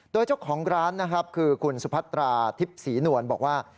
โดยเจ้าของร้านคือคุณสุภัตราทิพย์ศรีหน่วนบอกว่า